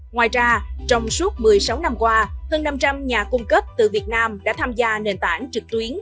ngoài ra trong suốt một mươi sáu năm qua hơn năm trăm linh nhà cung cấp từ việt nam đã tham gia nền tảng trực tuyến